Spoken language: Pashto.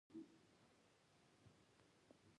اوښ د افغانستان د اوږدمهاله پایښت لپاره مهم دی.